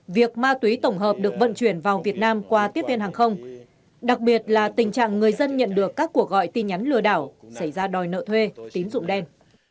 việc ma túy tổng hợp được vận chuyển vào việt nam qua tiếp viên hàng không đặc biệt là tình trạng người dân nhận được các cuộc gọi tin nhắn lừa đảo xảy ra đòi nợ thuê tín dụng đen